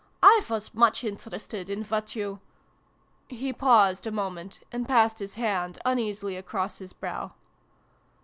" I was much interested in what you He paused a moment, and passed his hand uneasily across his brow.